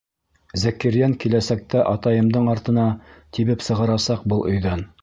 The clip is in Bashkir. Зәкирйән киләсәк тә атайымдың артына тибеп сығарасаҡ был өйҙән!